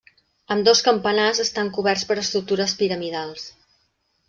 Ambdós campanars estan coberts per estructures piramidals.